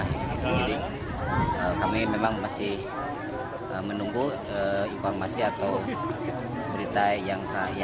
kami memang masih menunggu informasi atau berita yang saya